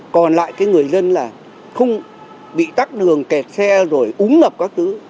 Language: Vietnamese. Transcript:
còn lại cái người dân là không bị tắt đường kẹt xe rồi uống ngập các thứ